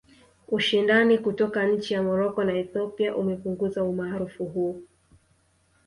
Ushindani kutoka nchi ya Moroko na Ethiopia umepunguza umaarufu huu